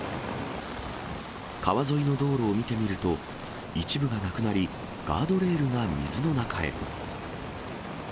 川沿いの道路を見てみると、一部がなくなり、ガードレールが水の中へ。